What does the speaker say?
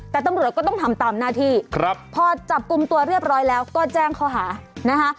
แต่ตำรวจก็ต้องทำตามหน้าที่ครับพอจับกลุ่มตัวเรียบร้อยแล้วก็แจ้งข้อหานะคะ